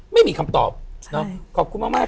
ไม่มีคำตอบขอบคุณมาก